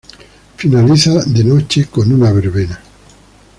Finaliza de noche con una verbena.